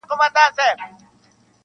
دېوال نم زړوي خو انسان غم زړوي -